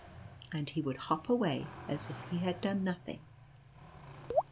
" and he would hop away as if he had done nothing.